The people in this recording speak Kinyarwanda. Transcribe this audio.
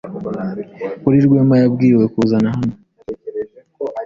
Kuki Rwema yabwiwe kuza hano?